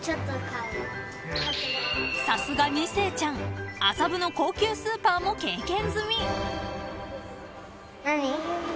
［さすが２世ちゃん麻布の高級スーパーも経験済み］